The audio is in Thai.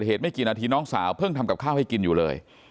ไม่กี่นาทีน้องสาวเพิ่งทำกับข้าวให้กินอยู่เลย